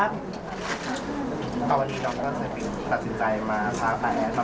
พร้อมแล้วเลยค่ะ